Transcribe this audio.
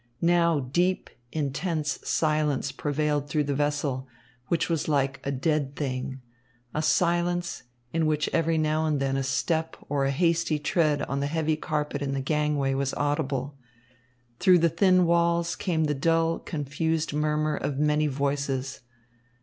Now deep, intense silence prevailed throughout the vessel, which was like a dead thing; a silence, in which every now and then a step or a hasty tread on the heavy carpet in the gangway was audible. Through the thin walls came the dull, confused murmur of many voices.